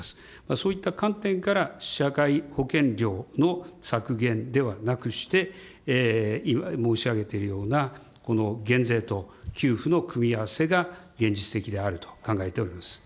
そういった観点から、社会保険料の削減ではなくして、今、申し上げているような、この減税と給付の組み合わせが現実的であると考えております。